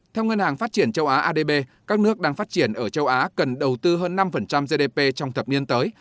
theo ngân hàng phát triển châu á adb các nước đang phát triển ở châu á cần đầu tư hơn năm gdp trong thập niên tới